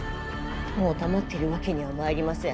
もう黙っているわけにはまいりません。